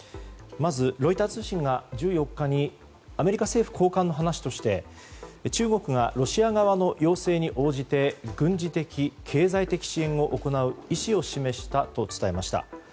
まずロイター通信が１４日にアメリカ政府高官の話として中国がロシア側の要請に応じて軍事的・経済的支援を行う意思を示したと伝えました。